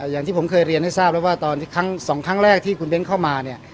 อย่างที่ผมเคยเรียนให้ทราบแล้วว่าตอนสองครั้งแรกที่คุณเบ้นเข้ามาเนี่ย